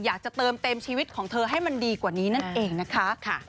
อยากจะเติมเต็มชีวิตของเธอให้มันดีกว่านี้นั่นเองนะคะ